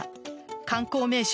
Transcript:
観光名所